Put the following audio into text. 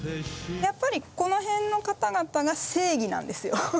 やっぱりこの辺の方々が正義なんですよ。